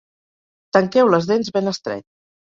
Tanqueu les dents ben estret.